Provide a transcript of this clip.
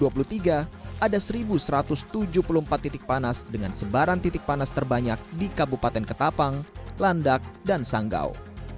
pada tahun dua ribu dua puluh tiga ada seribu satu ratus tujuh puluh empat titik panas dengan sebaran titik panas terbanyak di kabupaten ketapang landak dan sanggau